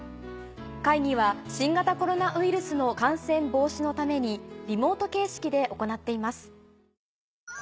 会議は新型コロナウイルスの感染防止のためにリモート形式で行っています。